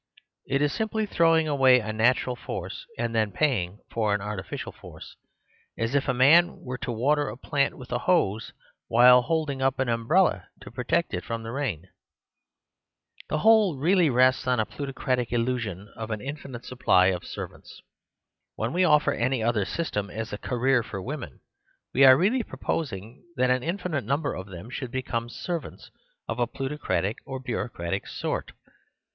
It is simply throwing away a natural force and then pay ing for an artificial force ; as if a man were to water a plant with a hose while holding up an umbrella to protect it from the rain. The 66 The Superstition of Divorce wmt0 whole really rests on a plutocratic illusion of an infinite supply of servants. When we oflfer any other system as a "career for women," we are really proposing that an infinite number of them should become servants, of a pluto cratic or bureaucratic sort.